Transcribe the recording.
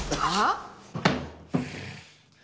ああ？